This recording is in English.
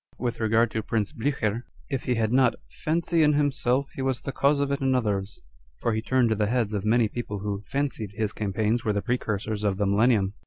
With regard to Prince Blucher, if he had not "fancy in himself, he was the cause of it in others," for he turned the heads of many people, who " fancied " his campaigns were the precursors of the Millennium.